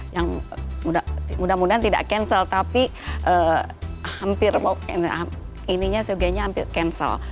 yang mudah mudahan tidak cancel tapi hampir seoganya hampir cancel